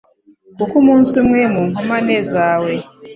Kuko umunsi umwe mu nkomane zawe